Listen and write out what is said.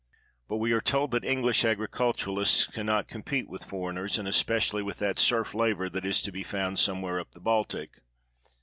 But we are told that English agriculturists can not compete with foreigners, and especially with that serf labor that is to be found some where up the Baltic.